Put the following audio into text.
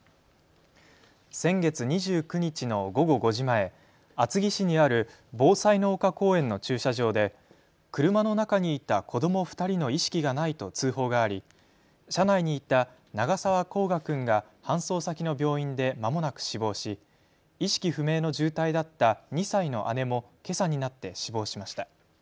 先月２９日の午後５時前、厚木市にあるぼうさいの丘公園の駐車場で車の中にいた子ども２人の意識がないと通報があり車内にいた長澤煌翔君が搬送先の病院でまもなく死亡し意識不明の重体だった２歳の姉もけさになって死亡しました。